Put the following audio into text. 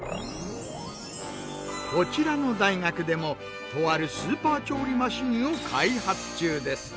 こちらの大学でもとあるスーパー調理マシンを開発中です。